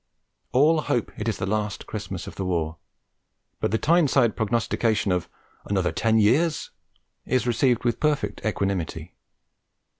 All hope it is the last Christmas of the war, but the Tyneside prognostication of 'anothaw ten yeaws' is received with perfect equanimity.